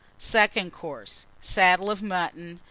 Second Course. Saddle of Mutton.